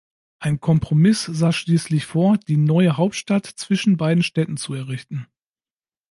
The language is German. Ein Kompromiss sah schließlich vor, die neue Hauptstadt zwischen beiden Städten zu errichten.